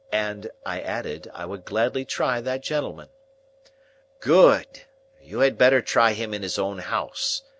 —And (I added), I would gladly try that gentleman. "Good. You had better try him in his own house.